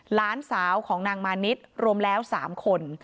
หลานสาวของนางมานิดรวมแล้ว๓คน